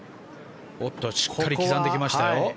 しっかり刻んできましたよ。